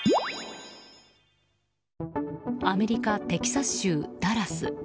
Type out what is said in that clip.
アメリカ・テキサス州ダラス。